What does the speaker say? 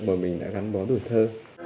mà mình đã gắn bó đổi thơ